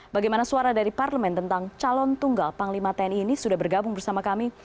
bagaimana suara dari parlemen tentang calon tunggal panglima tni ini sudah bergabung bersama kami